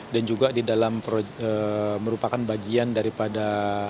dan juga di dalam merupakan bagian daripada